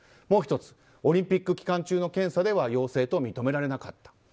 もう１つはオリンピック期間中の検査では陽性と認められなかった。